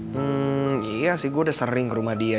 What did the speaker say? hmm iya sih gue udah sering ke rumah dia